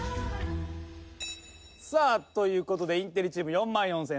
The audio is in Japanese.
さあという事でインテリチーム４万４０００円。